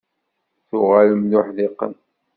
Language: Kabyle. Tuɣalem d uḥdiqen.